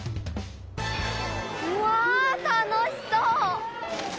うわたのしそう！